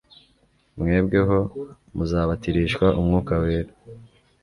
mwebweho muzabatirishwa umwuka wera